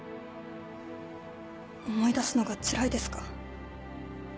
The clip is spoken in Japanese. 思い出すのがつらいですか？